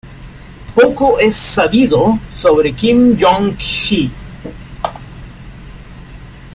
Poco es sabido sobre Kim Hyŏng-jik.